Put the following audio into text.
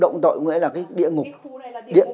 động tội nghĩa là cái địa ngục